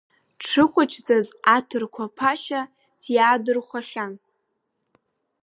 Дшыхәыҷӡаз аҭырқәа ԥашьа диаадырхәахьан.